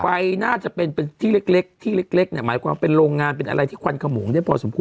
น่าจะเป็นที่เล็กที่เล็กเนี่ยหมายความเป็นโรงงานเป็นอะไรที่ควันขโมงได้พอสมคว